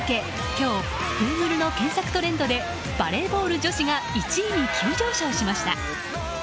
今日、グーグルの検索トレンドでバレーボール女子が１位に急上昇しました。